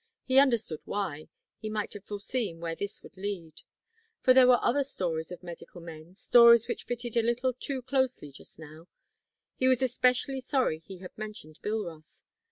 He understood why he might have foreseen where this would lead. For there were other stories of medical men, stories which fitted a little too closely just now; he was especially sorry he had mentioned Bilroth.